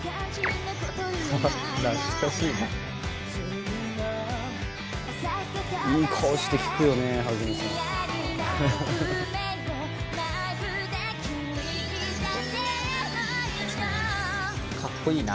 懐かしいな。